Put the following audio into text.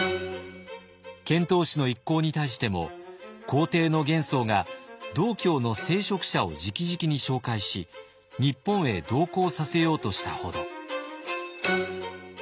遣唐使の一行に対しても皇帝の玄宗が道教の聖職者を直々に紹介し日本へ同行させようとしたほど。